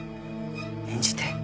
演じて。